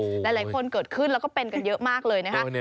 หลายคนเกิดขึ้นแล้วก็เป็นกันเยอะมากเลยนะคะ